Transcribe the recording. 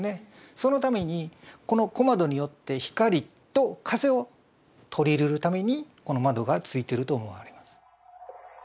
そのためにこの小窓によって光と風を取り入れるためにこの窓が付いてると思われます。